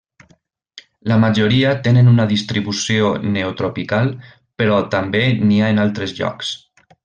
La majoria tenen una distribució neotropical però també n'hi ha en altres llocs.